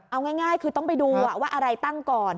เอาง่ายคือต้องไปดูว่าอะไรตั้งก่อน